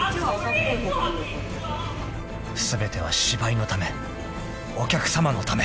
［全ては芝居のためお客さまのため］